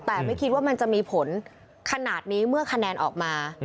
แต่ไม่คิดว่ามันจะมีผลขนาดนี้เมื่อคะแนนออกมา